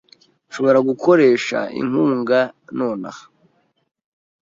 Nshobora gukoresha inkunga nonaha .